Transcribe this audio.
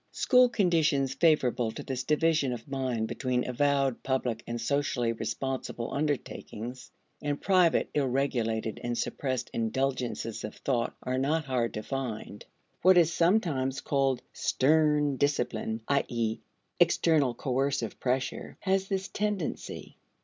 School conditions favorable to this division of mind between avowed, public, and socially responsible undertakings, and private, ill regulated, and suppressed indulgences of thought are not hard to find. What is sometimes called "stern discipline," i.e., external coercive pressure, has this tendency.